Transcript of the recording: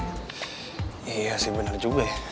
iya sih benar juga ya